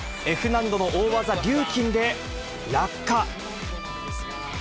Ｆ難度の大技、リューキンで落下。